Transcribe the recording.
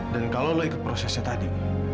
dan kalau lo ikut prosesnya tadi